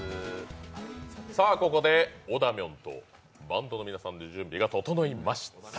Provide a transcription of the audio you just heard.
ここでおだみょんとバンドの皆さんの準備が整いました。